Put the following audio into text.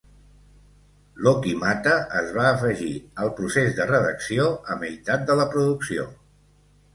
L'Okimata es va afegir al procés de redacció a meitat de la producció.